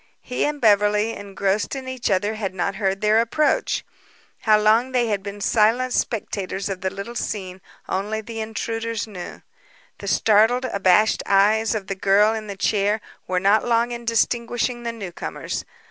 He and Beverly, engrossed in each other, had not heard their approach. How long they had been silent spectators of the little scene only the intruders knew. The startled, abashed eyes of the girl in the chair were not long in distinguishing the newcomers.